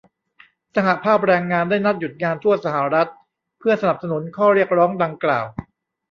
สหภาพแรงงานได้นัดหยุดงานทั่วสหรัฐ เพื่อสนับสนุนข้อเรียกร้องดังกล่าว